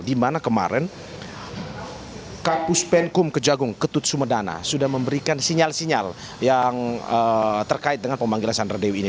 di mana kemarin kapus penkum kejagung ketut sumedana sudah memberikan sinyal sinyal yang terkait dengan pemanggilan sandra dewi ini